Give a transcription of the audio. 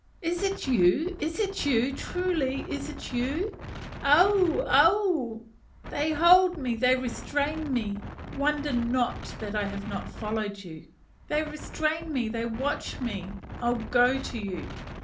"Is it you? is it you? truly is it you? aue! aue! they hold me, they restrain me: wonder not that I have not followed you; they restrain me, they watch me; but I go to you.